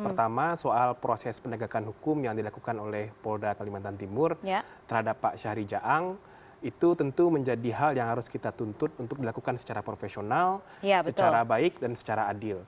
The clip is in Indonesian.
pertama soal proses penegakan hukum yang dilakukan oleh polda kalimantan timur terhadap pak syahri jaang itu tentu menjadi hal yang harus kita tuntut untuk dilakukan secara profesional secara baik dan secara adil